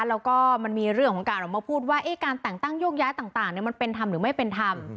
แล้วก็มันมีเรื่องของการออกมาพูดว่าการแต่งตั้งโยกย้ายต่างมันเป็นธรรมหรือไม่เป็นธรรม